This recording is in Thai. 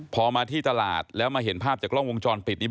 พอมาที่ตลาดแล้วมาเห็นภาพจากกล้องวงจรปิดนี้